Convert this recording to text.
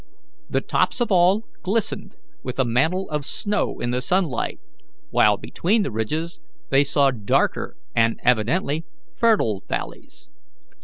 The tops of all glistened with a mantle of snow in the sunlight, while between the ridges they saw darker and evidently fertile valleys.